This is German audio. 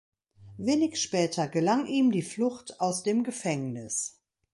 Wenig später gelang ihm die Flucht aus dem Gefängnis.